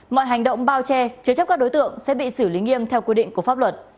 mọi hành động bao che chứa chấp các đối tượng sẽ bị xử lý nghiêm theo quy định của pháp luật